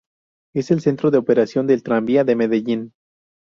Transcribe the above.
Es el centro de operación del Tranvía de Medellín.